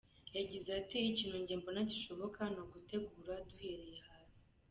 Yagize ati “Ikintu njye mbona gishoboka ni ugutegura duhereye hasi.